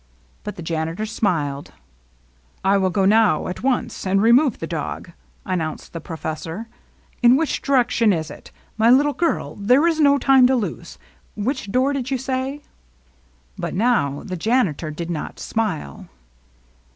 But the janitor smiled. ^^ I will go now — at once — and remove the dog," announced the professor. '^ In which direction is it? My little girl — There is no time to lose. Which door did you say?" But now the janitor did not smile.